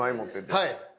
はい。